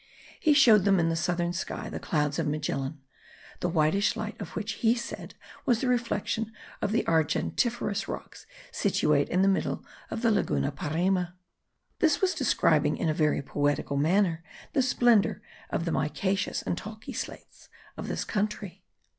He showed them in the southern sky the Clouds of Magellan, the whitish light of which he said was the reflection of the argentiferous rocks situate in the middle of the Laguna Parima. This was describing in a very poetical manner the splendour of the micaceous and talcy slates of his country!